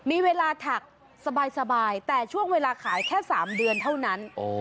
มีเวลาถักสบายแต่ช่วงเวลาขายแค่๓เดือนเท่านั้น